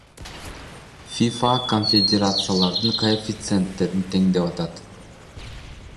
ФИФА конфедерациялардын коэффициенттерин теңдеп жатат